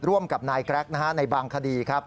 ร่วมกับนายแกรกในบางคดี